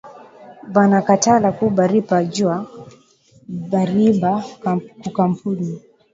Banakatala kuba ripa juya bariiba kukampuni